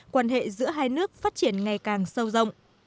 quan hệ giữa hai nước phát triển ngày càng sâu rộng